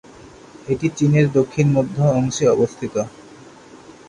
এটি চীনের দক্ষিণ-মধ্য অংশে অবস্থিত।